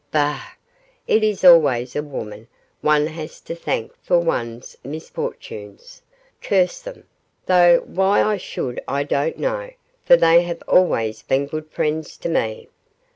Bah! it is always a woman one has to thank for one's misfortunes curse them; though why I should I don't know, for they have always been good friends to me.